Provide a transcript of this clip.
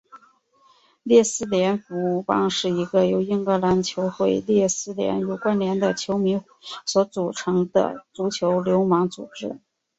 列斯联服务帮是一个由英格兰球会列斯联有关连的球迷所组成的足球流氓组织。